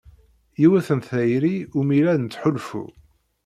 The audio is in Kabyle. Yiwet n tayri umi la nettḥulfu.